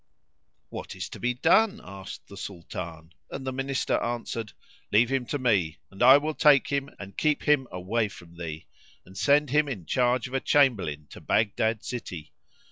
"What is to be done?" asked the Sultan, and the Minister answered, "Leave him to me and I will take him and keep him away from thee, and send him in charge of a Chamberlain to Baghdad city.